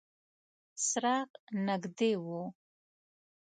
څراغ نږدې و.